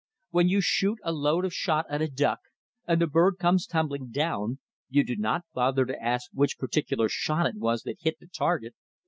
When you shoot a load of shot at a duck, and the bird comes tumbling down, you do not bother to ask which particular shot it was that hit the target.